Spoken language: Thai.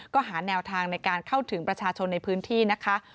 ก็หาแนวทางในการเข้าถึงประชาชนในพื้นที่นะคะ